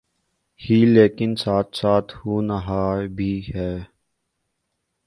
ہی لیکن ساتھ ساتھ ہونہار بھی ہیں۔